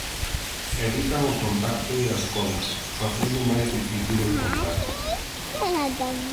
Evitan o contacto e as colas, facendo máis difícil os contaxios.